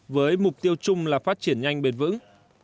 với mục tiêu chung là phát triển nhanh bền vững